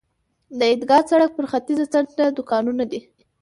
د عیدګاه سړک پر ختیځه څنډه دوکانونه دي.